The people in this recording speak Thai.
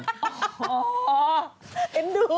เจ็บดู